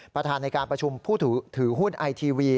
ประธานในการประชุมผู้ถือหุ้นไอทีวี